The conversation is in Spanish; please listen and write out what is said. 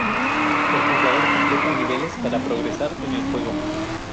El jugador completa niveles para progresar en el juego.